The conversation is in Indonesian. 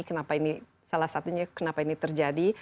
kenapa ini salah satunya kenapa ini terjadi